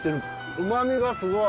うまみがすごい！